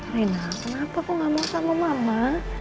naina kenapa aku gak mau sama mama